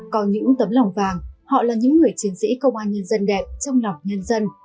có những tấm lòng vàng họ là những người chiến sĩ công an nhân dân đẹp trong lòng nhân dân